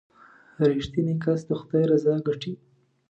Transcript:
• رښتینی کس د خدای رضا ګټي.